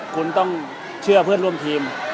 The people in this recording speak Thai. คุณต้องเชื่อเพื่อนร่วมทีม